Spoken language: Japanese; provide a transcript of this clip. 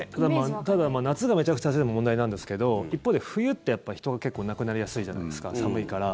ただ夏がめちゃくちゃ暑いのも問題なんですけど一方で、冬ってやっぱり人が結構亡くなりやすいじゃないですか寒いから。